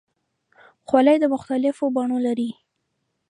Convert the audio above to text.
خولۍ د مختلفو بڼو لري.